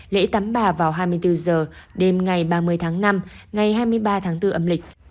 lễ tắm bà vào hai mươi bốn h đêm ngày ba mươi tháng năm ngày hai mươi ba tháng bốn âm lịch